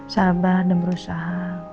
sabar dan berusaha